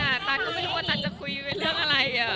ตันก็ไม่รู้ว่าตันจะคุยเรื่องอะไร